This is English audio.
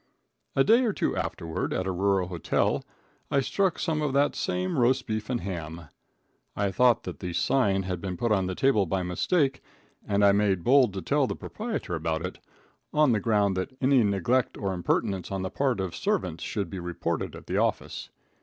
A day or two afterward, at a rural hotel, I struck some of that same roast beef and ham. I thought that the sign had been put on the table by mistake, and I made bold to tell the proprietor about it, on the ground that "any neglect or impertinence on the part of servants should be reported at the office."